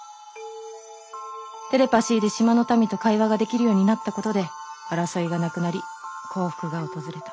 テレパシーで島の民と会話ができるようになったことで争いがなくなり幸福が訪れた。